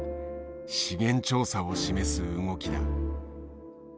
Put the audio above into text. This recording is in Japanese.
資源調査を示す動きだ。